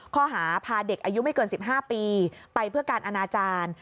ข้อหาพาเด็กอายุไม่เกิน๑๕ปีไปเพื่อการอนาจารย์